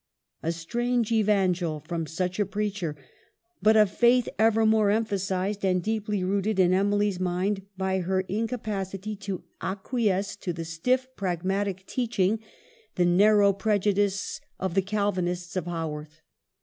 A strange evangel from such a preacher ; but a faith evermore emphasized and deeper rooted in Emily's mind by her incapacity to acquiesce in 212 EMILY BRONTE. the stiff, pragmatic teaching, the narrow preju dice, of the Calvinists of Haworth.